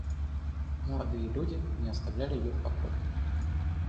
Молодые люди не оставляли ее в покое.